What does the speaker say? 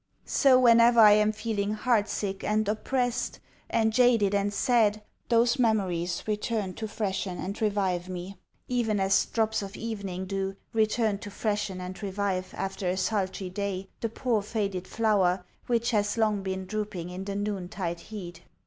So, whenever I am feeling heartsick and oppressed and jaded and sad those memories return to freshen and revive me, even as drops of evening dew return to freshen and revive, after a sultry day, the poor faded flower which has long been drooping in the noontide heat.